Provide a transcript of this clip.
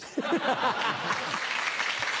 ハハハ！